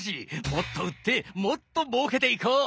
もっと売ってもっともうけていこう！